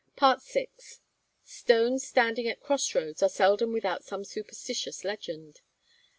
VI. Stones standing at cross roads are seldom without some superstitious legend.